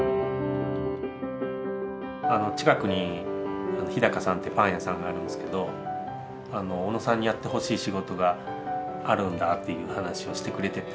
近くにＨＩＤＡＫＡさんってパン屋さんがあるんですけど小野さんにやってほしい仕事があるんだっていう話をしてくれてて。